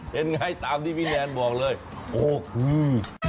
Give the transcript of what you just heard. เป็นอย่างไรตามที่พี่แนนบอกเลยโฮคือ